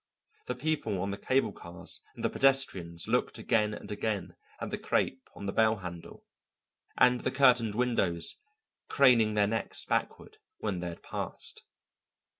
The people on the cable cars and the pedestrians looked again and again at the crêpe on the bell handle, and the curtained windows, craning their necks backward when they had passed.